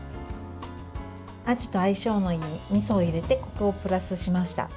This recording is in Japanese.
あじと相性のいいみそを入れてこくをプラスしました。